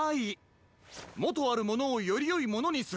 もとあるものをよりよいものにする！